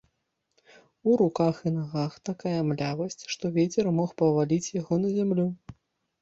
У руках і нагах такая млявасць, што вецер мог паваліць яго на зямлю.